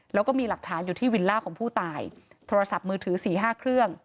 แล้วก็มีหลักฐานอยู่ที่วิลล่าของผู้ตายโทรศัพท์มือถือ๔๕เครื่อง